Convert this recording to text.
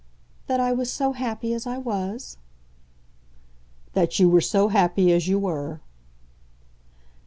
"That I was so happy as I was?" "That you were so happy as you were."